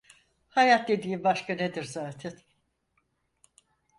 Hayat dediğin başka nedir zaten?